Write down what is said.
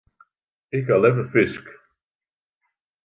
Ik ha leaver fisk.